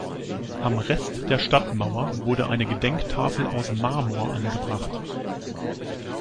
Am Rest der Stadtmauer wurde eine Gedenktafel aus Marmor angebracht.